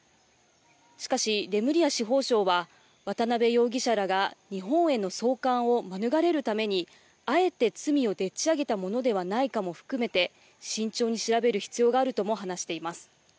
しかし、レムリア司法相は、渡邉容疑者らが日本への送還を免れるために、あえて罪をでっちあげたものではないかも含めて、慎重に調べる必要があるとも話しています。